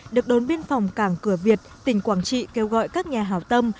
được đồn biên phòng cảng cửa việt tỉnh quảng trị kêu gọi các nhà hào tâm